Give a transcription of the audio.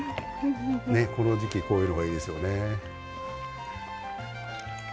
この時季こういうのがいいですよね。